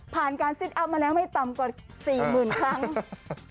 ผ่านการซิดอัพมาแล้วไม่ต่ำกว่า๔หมื่นครั้ง